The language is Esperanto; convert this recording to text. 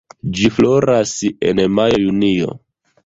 Ĝi floras en majo-junio.